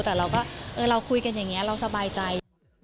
แต่เราก็เราคุยกันอย่างนี้เราสบายใจ